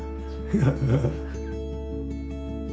ハハハハ。